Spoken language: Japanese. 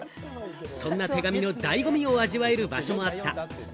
そんな手紙の醍醐味を味わえる場所もあった。